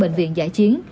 và bảy bệnh viện giải chiến